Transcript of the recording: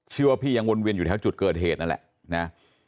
เชื่อว่าพี่ยังเวินเวียนอยู่แถวจุดเกิดเหตุนั่นแหละ